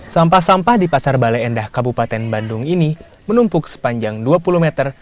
sampah sampah di pasar bale endah kabupaten bandung ini menumpuk sepanjang dua puluh meter